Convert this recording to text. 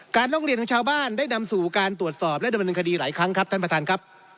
ร้องเรียนของชาวบ้านได้นำสู่การตรวจสอบและดำเนินคดีหลายครั้งครับท่านประธานครับ